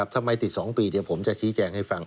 ทำไมติด๒ปีผมจะชี้แจงให้ฟัง